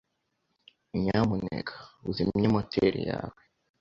Nyamuneka uzimye moteri yawe.